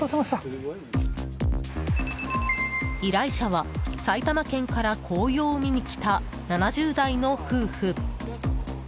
依頼者は埼玉県から紅葉を見に来た７０代の夫婦。